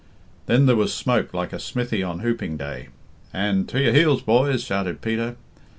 Then there was smoke like a smithy on hooping day, and "To your heels, boys," shouted Peter.